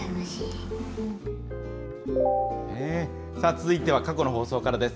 続いては過去の放送からです。